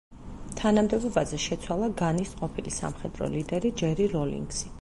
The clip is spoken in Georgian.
თანამდებობაზე შეცვალა განის ყოფილი სამხედრო ლიდერი ჯერი როლინგსი.